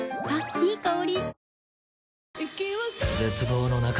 いい香り。